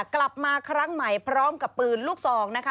กลับมาครั้งใหม่พร้อมกับปืนลูกซองนะคะ